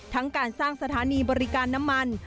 ทั้งการสร้างสถานีบริการน้ำมัน